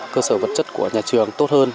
cơ sở vật chất của nhà trường tốt hơn